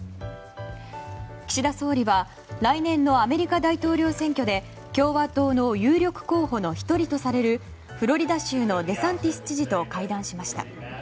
岸田総理は来年のアメリカ大統領選挙で共和党の有力候補の１人とされるフロリダ州のデサンティス知事と会談しました。